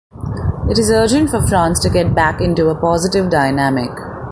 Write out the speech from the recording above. It is urgent for France to get back into a positive dynamic.